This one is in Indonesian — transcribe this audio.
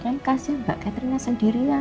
ini kan kasih mbak katrina sendirian